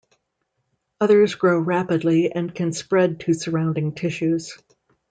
Others grow rapidly and can spread to surrounding tissues.